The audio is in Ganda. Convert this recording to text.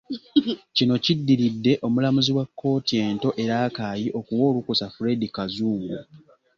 Kino kiddiridde Omulamuzi wa kkooti ento e Rakai okuwa olukusa Fred Kazungu